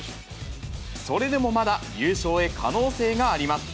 それでもまだ優勝へ、可能性があります。